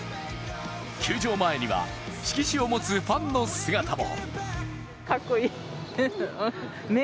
球場前には色紙を持つファンの姿も。